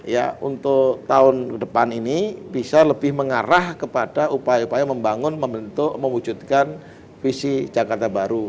ya untuk tahun depan ini bisa lebih mengarah kepada upaya upaya membangun membentuk mewujudkan visi jakarta baru